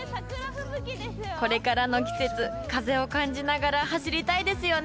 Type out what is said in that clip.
これからの季節風を感じながら走りたいですよね